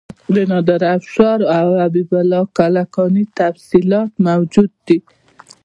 د نادر شاه افشار او حبیب الله کلکاني تفصیلات موجود دي.